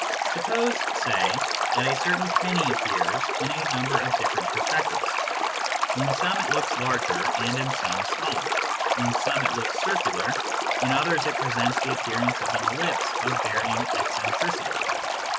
Suppose, say, that a certain penny appears in a number of different perspectives ; in some it looks larger and in some smaller, in some it looks circular, in others it presents the appear ance of an ellipse of varying eccentricity.